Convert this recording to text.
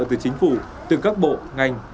từ chính phủ từ các bộ ngành